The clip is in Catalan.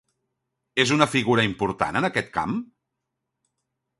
És una figura important en aquest camp?